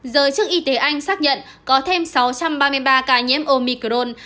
giới chức y tế anh xác nhận có thêm sáu trăm ba mươi ba ca nhiễm omicrone